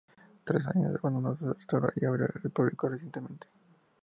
Tras años de abandono, se restauró y abrió al público recientemente.